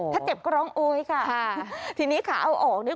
เก็บกระร้องโอ้ยค่ะค่ะทีนี้ค่ะเอาออกเนี้ย